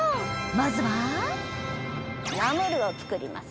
まずはナムルを作ります。